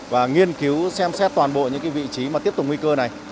và nghiên cứu xem xét toàn bộ những vị trí mà tiếp tục nguy cơ này